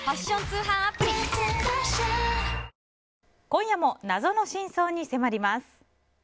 今夜も謎の真相に迫ります。